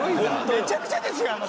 めちゃくちゃですよ。